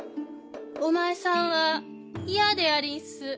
お前さんは嫌でありんす。